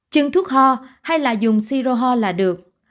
chừng thuốc ho hay là dùng siroho là được